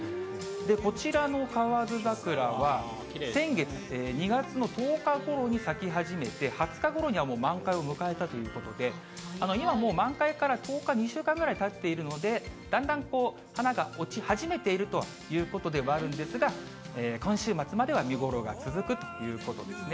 こちらの河津桜は、先月、２月の１０日ごろに咲き始めて、２０日ごろにはもう満開を迎えたということで、今もう、満開から１０日、２週間ぐらいたっているので、だんだん花が落ち始めているということではあるんですが、今週末までは、見頃が続くということですね。